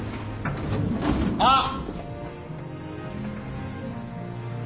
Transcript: あっ！